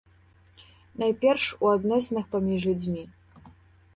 Найперш у адносінах паміж людзьмі.